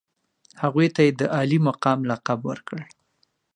هغوی ته یې د عالي مقام لقب ورکړ.